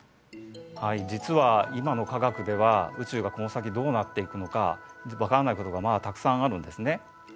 はい実は今の科学では宇宙がこの先どうなっていくのか分からないことがまだたくさんあるんですね。